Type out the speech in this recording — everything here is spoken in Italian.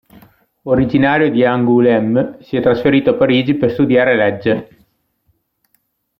Originario di Angoulême, si è trasferito a Parigi per studiare legge.